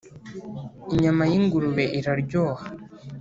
Inyama y’ ingurube iraryoha